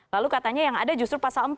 lalu katanya yang ada justru pasal empat